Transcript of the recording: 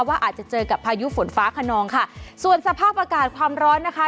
ว่าอาจจะเจอกับพายุฝนฟ้าขนองค่ะส่วนสภาพอากาศความร้อนนะคะ